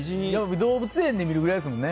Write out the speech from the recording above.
動物園で見るぐらいですもんね。